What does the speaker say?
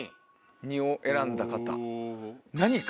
２を選んだ方。